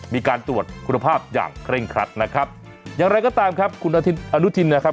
มีการตรวจคุณภาพอย่างเคร่งครัดนะครับอย่างไรก็ตามครับคุณอนุทินนะครับ